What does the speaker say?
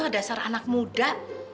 dasar anak muda